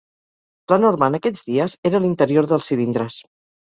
La norma en aquells dies era l'interior dels cilindres.